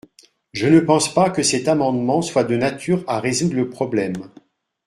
Je ne pense pas que cet amendement soit de nature à résoudre le problème.